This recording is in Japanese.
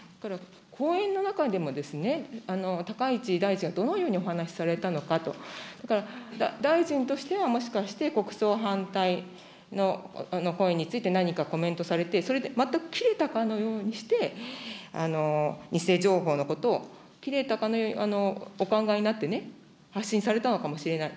講演の中でも高市大臣はどのようにお話しされたのかと、大臣としてはもしかして、国葬反対の声について何かコメントされて、それで全く切れたかのようにして、偽情報のことを切れたかのようにお考えになってね、発信されたのかもしれない。